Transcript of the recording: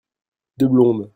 deux blondes.